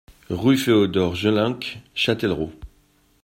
Rue Féodor Jelenc, Châtellerault